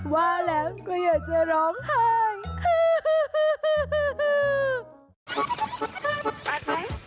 ว่าแล้วก็อยากจะร้องไห้ค่ะ